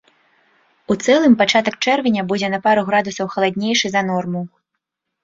У цэлым пачатак чэрвеня будзе на пару градусаў халаднейшы за норму.